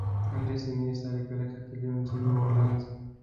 andres iniesta alipeleka kilio nchini Uholanzi